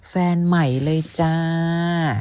แฟนใหม่เลยจ้า